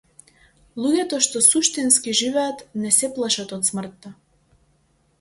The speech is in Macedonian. Луѓето што суштински живеат не се плашат од смртта.